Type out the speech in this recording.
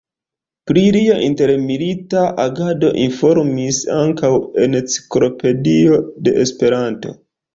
Pri lia intermilita agado informis ankaŭ Enciklopedio de Esperanto.